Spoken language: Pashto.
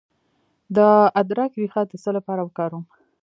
د ادرک ریښه د څه لپاره وکاروم؟